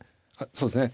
そうですね